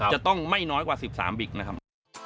จะต้องไม่น้อยกว่า๑๓บิ๊กนะครับ